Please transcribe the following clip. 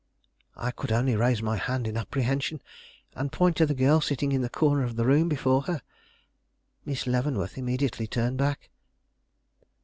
I could only raise my hand in apprehension, and point to the girl sitting in the corner of the room before her. Miss Leavenworth immediately turned back.